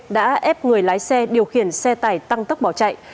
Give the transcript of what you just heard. đã ép người lái xe điều khiển xe tải tăng tốc bỏ chạy